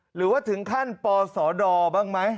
หรือว่าถึงขั้นปศดบ้างไหม